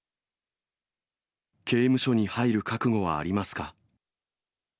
刑務所に入る覚悟はあります